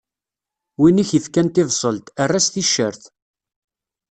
Win i k-ifkan tibṣelt, err-as ticcert.